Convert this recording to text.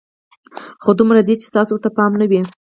خو دومره ده چې ستاسو ورته پام نه وي.